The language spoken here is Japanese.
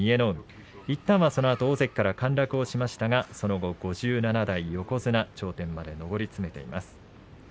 海は、いったん大関から陥落しましたがその後５７代横綱頂点まで上り詰めています。